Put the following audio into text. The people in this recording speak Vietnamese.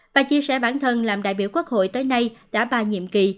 bà chia sẻ bản thân làm đại biểu quốc hội tới nay đã ba nhiệm kỳ